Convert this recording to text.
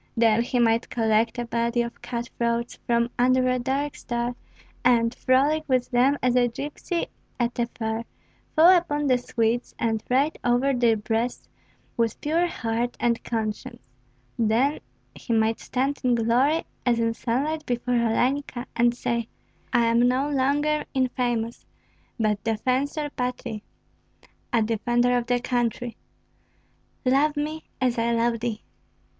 Then he might collect a body of cut throats from under a dark star and, frolic with them as a gypsy at a fair, fall upon the Swedes, and ride over their breasts with pure heart and conscience; then he might stand in glory as in sunlight before Olenka, and say, "I am no longer infamous, but defensor patriæ (a defender of the country); love me, as I love thee."